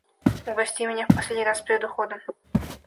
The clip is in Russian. Угости меня в последний раз перед уходом.